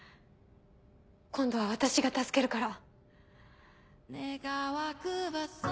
今度は私が助けるから。